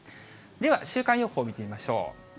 では、週間予報を見てみましょう。